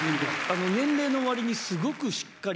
年齢の割にすごくしっかり。